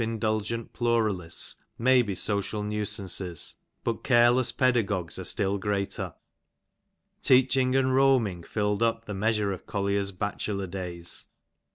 Political justices and self indulgent pluralists may be social nuisances, but careless pedagogues are still greater. Teaching and roaming filled up the measure of Collier's bachelor days.